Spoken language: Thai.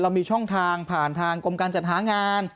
มีช่องทางผ่านทางกรมการจัดหางาน